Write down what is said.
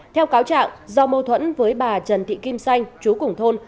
theo cáo trạng do mâu thuẫn với bà trần thị kim xanh chú củng thôn